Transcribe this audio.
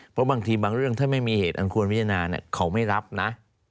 เพราะบางทีบางเรื่องถ้าไม่มีเหตุอันควรพิจารณาเขาไม่รับนะ